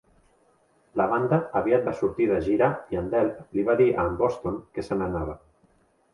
La banda aviat va sortir de gira i en Delp li va dir a en Boston que se n'anava.